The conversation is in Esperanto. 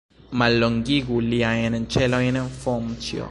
Mallongigu liajn ĉenojn, Fomĉjo!